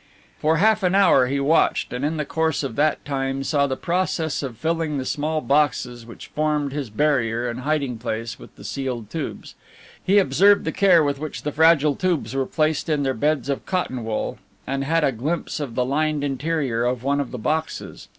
For half an hour he watched, and in the course of that time saw the process of filling the small boxes which formed his barrier and hiding place with the sealed tubes. He observed the care with which the fragile tubes were placed in their beds of cotton wool, and had a glimpse of the lined interior of one of the boxes.